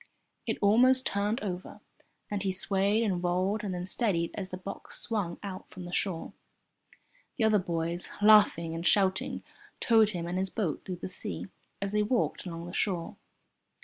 It almost turned over, and he swayed and rolled and then steadied as the box swung out from the shore. The other boys, laughing and shouting, towed him and his boat through the sea as they walked along the shore.